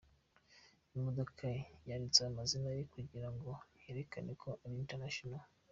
Imodoka ye yanditseho amazina ye kugira ngo yerekane ko ari International.